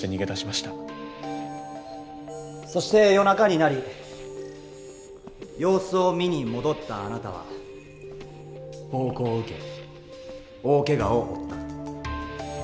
そして夜中になり様子を見に戻ったあなたは暴行を受け大けがを負った。